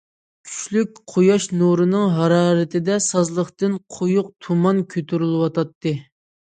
كۈچلۈك قۇياش نۇرىنىڭ ھارارىتىدە سازلىقتىن قويۇق تۇمان كۆتۈرۈلۈۋاتاتتى.